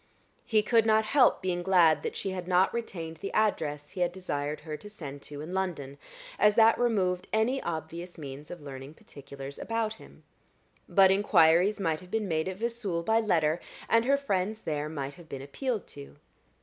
He could not help being glad that she had not retained the address he had desired her to send to in London, as that removed any obvious means of learning particulars about him. But enquiries might have been made at Vesoul by letter, and her friends there might have been appealed to.